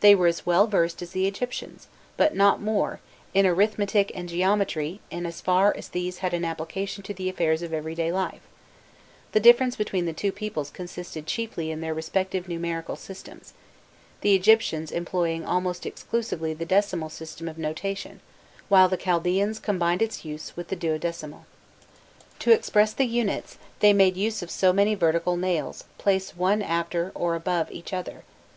They were as well versed as the Egyptians, but not more, in arithmetic and geometry in as far as these had an application to the affairs of everyday life: the difference between the two peoples consisted chiefly in their respective numerical systems the Egyptians employing almost exclusively the decimal system of notation, while the Chaldaeans combined its use with the duodecimal. [Illustration: 337.jpg Page image] To express the units, they made use of so many vertical "nails" placed one after, or above, each other, thus [symbols] etc.